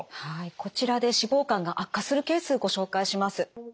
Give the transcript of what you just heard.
こちらで脂肪肝が悪化するケースご紹介します。